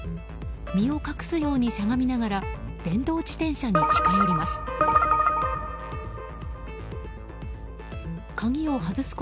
身を隠すようにしゃがみながら電動自転車に近寄ります。